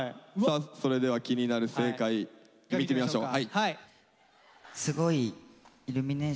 それでは気になる正解見てみましょう。